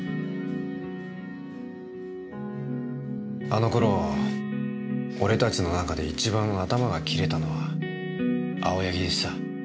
あのころ俺たちの中で一番頭が切れたのは青柳でした。